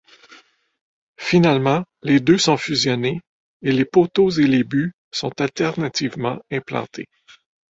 Finalement, les deux sont fusionnés et les poteaux et les buts sont alternativement implantés.